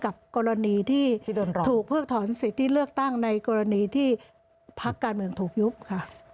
กับกรณีที่ถูกเพิกถอนสิทธิเลือกตั้งในกรณีที่พักการเมืองถูกยุบค่ะ